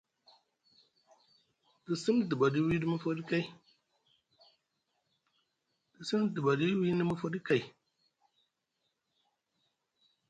Te sini duɓaɗi wiini mofoɗi kay,